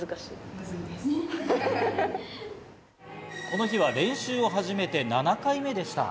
この日は練習を始めて７回目でした。